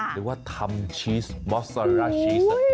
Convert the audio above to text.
หรือว่าทำชีสมอสซาราชีส